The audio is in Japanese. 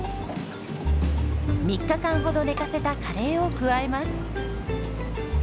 ３日間ほど寝かせたカレーを加えます。